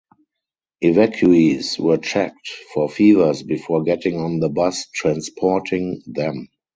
Evacuees were checked for fevers before getting on the bus transporting them.